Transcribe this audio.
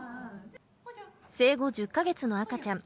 生後１０か月の赤ちゃん。